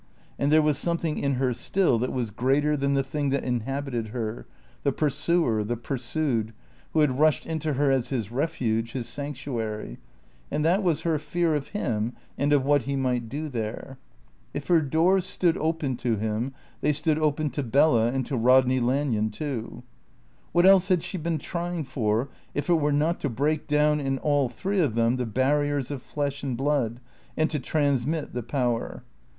And there was something in her still that was greater than the thing that inhabited her, the pursuer, the pursued, who had rushed into her as his refuge, his sanctuary; and that was her fear of him and of what he might do there. If her doors stood open to him, they stood open to Bella and to Rodney Lanyon too. What else had she been trying for, if it were not to break down in all three of them the barriers of flesh and blood and to transmit the Power?